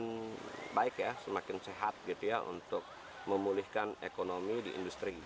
semakin baik ya semakin sehat gitu ya untuk memulihkan ekonomi di industri